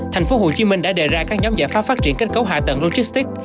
thành phố hồ chí minh đã đề ra các nhóm giải pháp phát triển kết cấu hạ tầng logistics